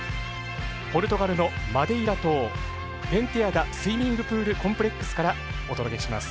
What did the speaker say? ポルトガルのマデイラ島ペンテアダ・スイミングプールコンプレックからお届けします。